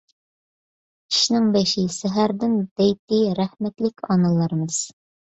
«ئىشنىڭ بېشى سەھەردىن» دەيتتى رەھمەتلىك ئانىلىرىمىز.